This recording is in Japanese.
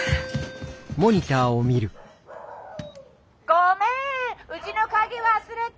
「ごめんうちの鍵忘れた！